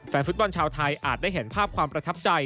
แฟนฟุตบอลชาวไทยอาจได้เห็นภาพความประทับใจ